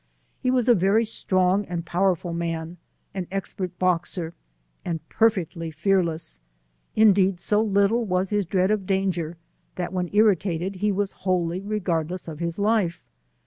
He was a very strong and powerful man, an expert boxer, and perfectly fearleis ; indeed so little was his dread of danger, that when irritated he was wholly regardless of his life.